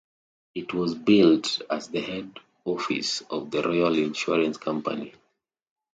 It was built as the head office of the Royal Insurance Company.